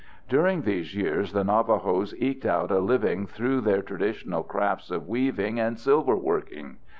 During these years the Navajos eked out a living through their traditional crafts of weaving and silver working.